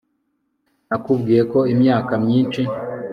nakubwiye ko imyaka myinshi